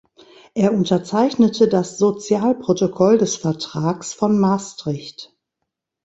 Er unterzeichnete das Sozialprotokoll des Vertrags von Maastricht.